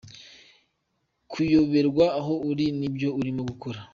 Kuyoberwa aho uri n’ibyo Urimo gukora,.